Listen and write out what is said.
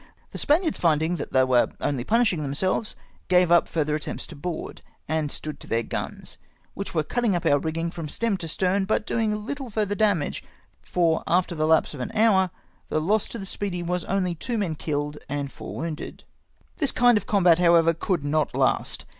The Spaniards finding that they were only punishing themselves, gave up finther attempts to board, and stood to their guns, which were cutting up our rigging from stem to stern, but doing little farther damage ; for after the lapse of an hour the loss to the Speedy was only two men kiUed and four wounded. This kind of combat, however, could not last.